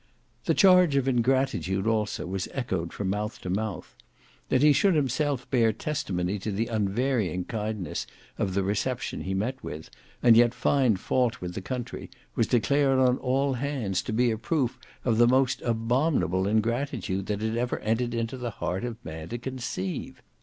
The charge of ingratitude also was echoed from mouth to mouth. That he should himself bear testimony to the unvarying kindness of the reception he met with, and yet find fault with the country, was declared on all hands to be a proof of the most abominable ingratitude that it ever entered into the heart of man to conceive.